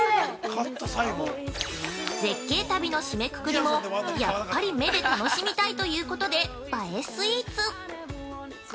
◆絶景旅の締めくくりも、やっぱり目で楽しみたいということで、映えスイーツ。